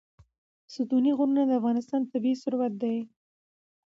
ستوني غرونه د افغانستان طبعي ثروت دی.